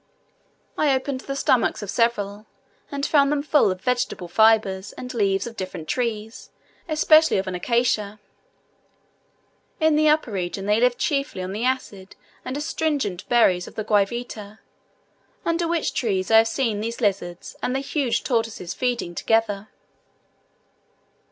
I opened the stomachs of several, and found them full of vegetable fibres and leaves of different trees, especially of an acacia. In the upper region they live chiefly on the acid and astringent berries of the guayavita, under which trees I have seen these lizards and the huge tortoises feeding together.